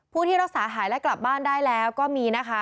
ที่รักษาหายและกลับบ้านได้แล้วก็มีนะคะ